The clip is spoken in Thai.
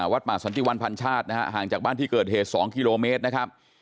วัดป่าสันติวันพันชาตินะฮะห่างจากบ้านที่เกิดเหตุ๒กิโลเมตรนะครับ